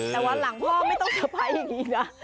แต่ว่าหลังพ่อไม่ต้องเฉพาะอีกนะ